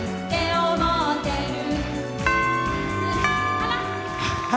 あら。